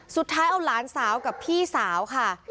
สุดท้ายเอาหลานสาวกับพี่สาวค่ะ